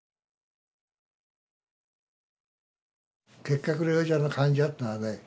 結核療養所の患者っていうのはね